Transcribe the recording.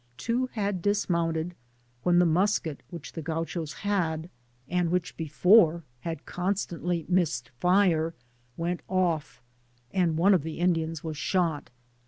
Two had dismounted, when the musket which the Grauchos had, and which before had constantly missed fire, went off, and one of the Indians was shot.